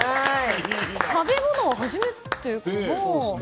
食べ物は初めて。